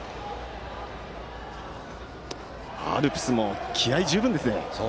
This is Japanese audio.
アルプスも気合い十分ですね。